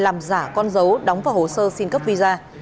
làm giả con dấu đóng và hồ sơ xin cấp visa